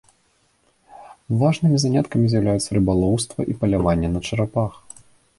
Важнымі заняткамі з'яўляліся рыбалоўства і паляванне на чарапах.